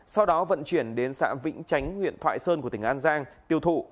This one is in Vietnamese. sau đó vận chuyển đến xã vĩnh chánh huyện thoại sơn của tỉnh an giang tiêu thụ